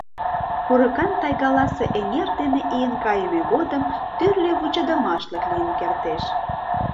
Курыкан тайгаласе эҥер дене ийын кайыме годым тӱрлӧ вучыдымашлык лийын кертеш.